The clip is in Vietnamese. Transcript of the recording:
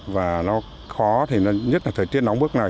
và nó khó thì nhất là thời tiết nóng bước này